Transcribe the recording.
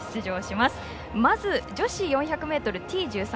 まず女子４００ｍＴ１３